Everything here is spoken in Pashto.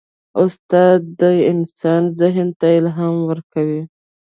استاد د انسان ذهن ته الهام ورکوي.